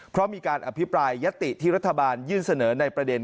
เพราะมีการอภิปรายยติที่รัฐบาลยื่นเสนอในประเด็น